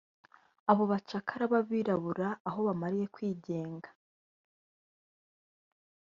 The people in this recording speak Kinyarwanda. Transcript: Abo bacakara b’abirabura aho bamariye kwigenga